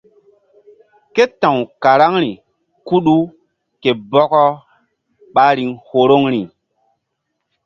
Ke ta̧w karaŋri kuɗu ke bɔkɔ ɓa riŋ horoŋri.